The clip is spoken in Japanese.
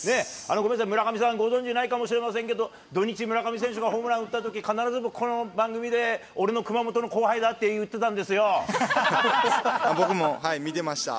ごめんなさい、村上さんは、ご存じないかもしれませんけれども、土日、村上選手がホームランを打ったとき、必ず僕、この番組で俺の熊本の後輩だって言ってた僕も見てました。